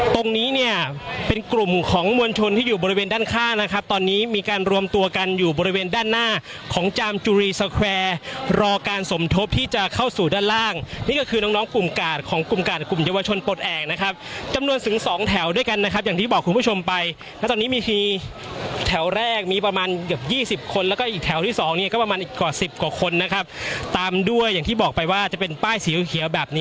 ตรงนี้เนี่ยเป็นกลุ่มของมวลชนที่อยู่บริเวณด้านข้างนะครับตอนนี้มีการรวมตัวกันอยู่บริเวณด้านหน้าของจามจุรีสเกวร์รอการสมทบที่จะเข้าสู่ด้านล่างนี่ก็คือน้องกลุ่มกาดของกลุ่มกาดกลุ่มเยาวชนปลดแอบนะครับจำนวนถึงสองแถวด้วยกันนะครับอย่างที่บอกคุณผู้ชมไปแล้วตอนนี้มีที่แถวแรกมีประมาณเก